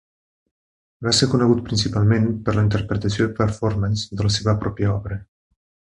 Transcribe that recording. Va ser conegut principalment per la interpretació i performance de la seva pròpia obra.